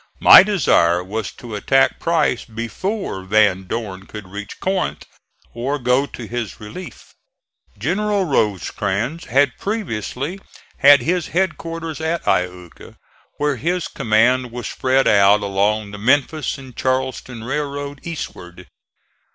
My desire was to attack Price before Van Dorn could reach Corinth or go to his relief. General Rosecrans had previously had his headquarters at Iuka, where his command was spread out along the Memphis and Charleston railroad eastward.